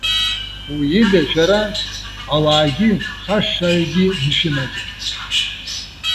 Уи ида шәара, ауаагьы хашшаҩгьы дшәымаӡам.